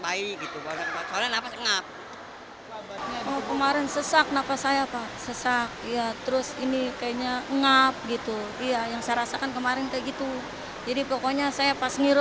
jadi untuk wicara saya kurang